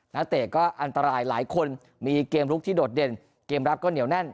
เตะก็อันตรายหลายคนมีเกมลุกที่โดดเด่นเกมรับก็เหนียวแน่น